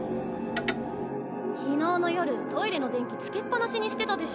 昨日の夜トイレの電気つけっ放しにしてたでしょ。